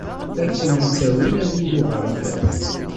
Akken i ttawin abrid n uɣerbaz.